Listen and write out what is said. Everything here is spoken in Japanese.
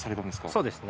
そうですね。